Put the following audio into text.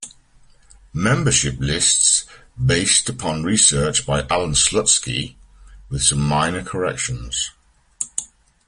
Membership lists based upon research by Allan Slutsky, with some minor corrections.